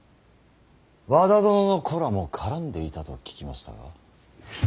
和田殿の子らも絡んでいたと聞きましたが。